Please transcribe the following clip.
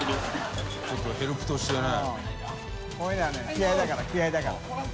気合だから気合だから。